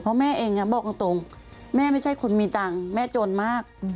เพราะแม่เองบอกตรงแม่ไม่ใช่คนมีตังค์แม่จนมาก